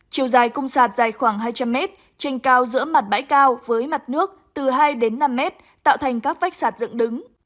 chiều dài cung sạt dài khoảng hai trăm linh mét trên cao giữa mặt bãi cao với mặt nước từ hai đến năm mét tạo thành các vách sạt dựng đứng